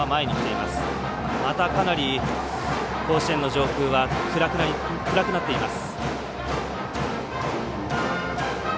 また、かなり甲子園の上空は暗くなっています。